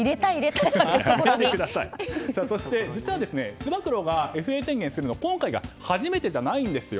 実は、つば九郎がＦＡ宣言をするのは今回が初めてじゃないんですよ。